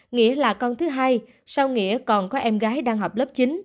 nghĩa là con thứ hai sau nghĩa còn có em gái đang học lớp chín